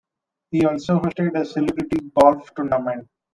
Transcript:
He also hosted a celebrity golf tournament.